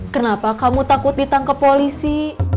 kenapa kamu takut ditangkap polisi